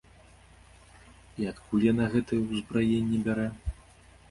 І адкуль яна гэтае ўзбраенне бярэ?